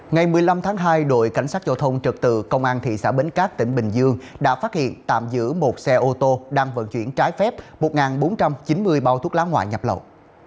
ngày một mươi năm tháng hai đội cảnh sát giao thông trật tự công an thị xã bến cát tỉnh bình dương đã phát hiện tạm giữ một xe ô tô đang vận chuyển trái phép một bốn trăm chín mươi bao thuốc lá ngoại nhập lậu